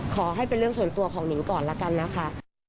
ขอให้เป็นเรื่องส่วนตัวของหนิงก่อนละกันนะคะ